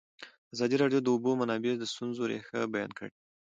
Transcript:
ازادي راډیو د د اوبو منابع د ستونزو رېښه بیان کړې.